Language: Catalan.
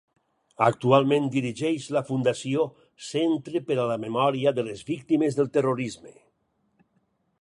Actualment dirigeix la fundació Centre per a la Memòria de les Víctimes del Terrorisme.